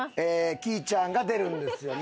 きいちゃんが出るんですよね。